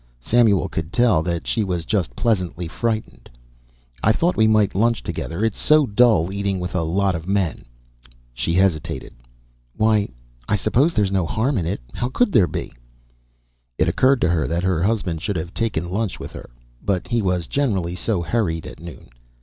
Samuel could tell that she was just pleasantly frightened. "I thought we might lunch together. It's so dull eating with a lot of men." She hesitated. "Why, I suppose there's no harm in it. How could there be!" It occurred to her that her husband should have taken lunch with her but he was generally so hurried at noon.